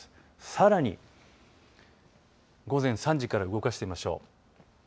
さらに午前３時から動かしていきましょう。